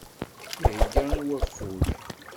Ihegga i waffug.